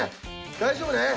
大丈夫ね？